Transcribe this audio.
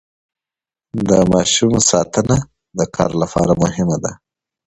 د ماشوم ساتنه د کار لپاره مهمه ده.